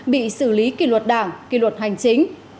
bị xử lý kỷ luật đảng kỳ luật hành chính